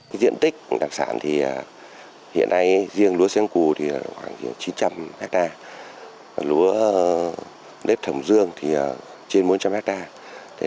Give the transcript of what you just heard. chín trăm linh hecta lúa nếp thẩm dương trên bốn trăm linh hecta